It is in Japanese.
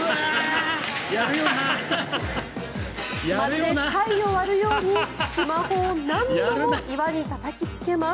まるで貝を割るようにスマホを何度も岩にたたきつけます。